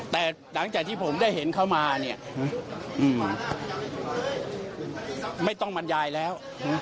แต่หลังจากที่ผมได้เห็นเข้ามาเนี่ยไม่ต้องบรรยายแล้ว